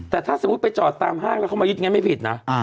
แต่ถ้าสมมุติไปจอดตามห้างแล้วเขามายึดงั้นไม่ผิดนะ